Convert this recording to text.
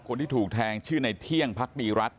คนที่ถูกแทงชื่อในเที่ยงพักดีรัฐ